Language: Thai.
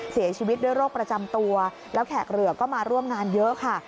เสียชีวิตด้วยโรคประจำตัวแล้วแขกเหลือก็มาร่วมงานเยอะค่ะ